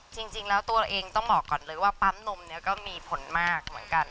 จริงแล้วตัวเราเองต้องบอกก่อนเลยว่าปั๊มนมนี้ก็มีผลมากเหมือนกัน